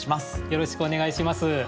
よろしくお願いします。